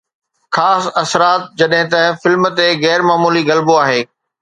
خاص اثرات جڏهن ته فلم تي غير معمولي غلبو آهي